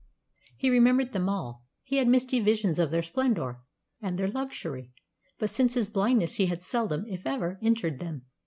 He remembered them all. He had misty visions of their splendour and their luxury; but since his blindness he had seldom, if ever, entered them.